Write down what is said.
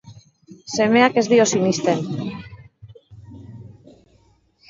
Semeak ez dio sinesten.